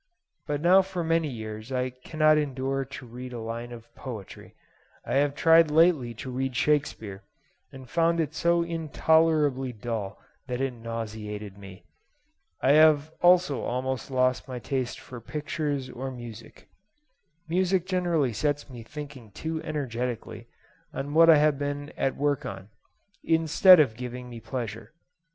But now for many years I cannot endure to read a line of poetry: I have tried lately to read Shakespeare, and found it so intolerably dull that it nauseated me. I have also almost lost my taste for pictures or music. Music generally sets me thinking too energetically on what I have been at work on, instead of giving me pleasure.